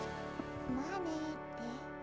まあねって。